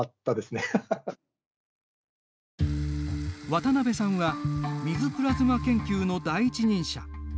渡辺さんは水プラズマ研究の第一人者。